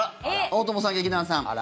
大友さん、劇団さん。